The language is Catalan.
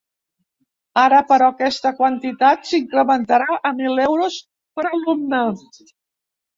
Ara, però, aquesta quantitat s’incrementarà a mil euros per alumne.